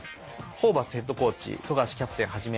ホーバスヘッドコーチ富樫キャプテンはじめ